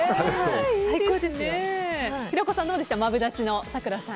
平子さん、どうでした？